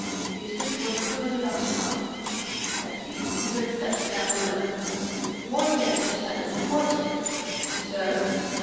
Eustace was thoroughly unstrung. At last he heard steps down below. "Morton!" he shouted; "Morton!" "Sir?"